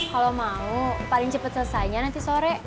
kalau mau paling cepat selesainya nanti sore